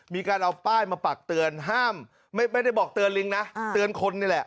มีการเอาป้ายมาปักเตือนห้ามไม่ได้บอกเตือนลิงนะเตือนคนนี่แหละ